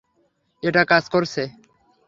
এটা কাজ করছে।